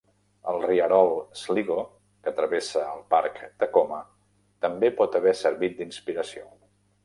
El rierol Sligo, que travessa el Parc Takoma, també pot haver servit d'inspiració.